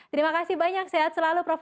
terima kasih banyak sehat selalu prof